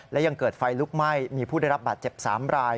และยังเกิดไฟลุกไหม้มีผู้ได้รับบาดเจ็บ๓ราย